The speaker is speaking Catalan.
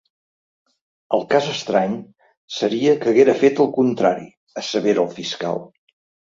El cas estrany seria que haguera fet el contrari, assevera el fiscal.